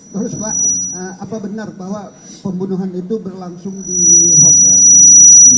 terus pak apa benar bahwa pembunuhan itu berlangsung di hotel